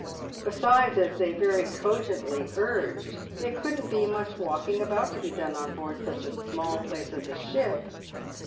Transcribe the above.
Besides, as they very cogently urged, there couldn't be much walking about to be done on board such a small place as a ship.